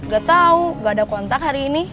gak tau gak ada kontak hari ini